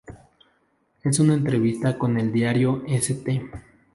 En una entrevista con el diario St.